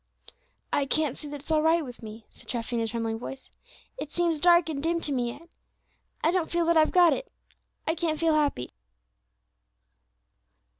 "I can't see that it's all right with me," said Treffy, in a trembling voice; "it seems dark and dim to me yet. I don't feel that I've got it; I can't feel happy."